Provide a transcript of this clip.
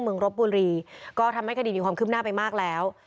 รบบุรีก็ทำให้คดีมีความคืบหน้าไปมากแล้ว